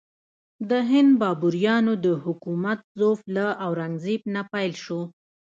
د هند بابریانو د حکومت ضعف له اورنګ زیب نه پیل شو.